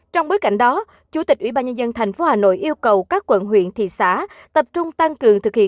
trong bối cảnh đó chủ tịch ubnd thành phố hà nội yêu cầu các quận huyện thị xã tập trung tăng cường thực hiện